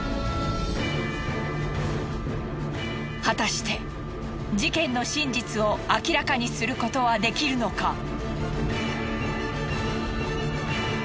果たして事件の真実を明らかにすることはできるのか！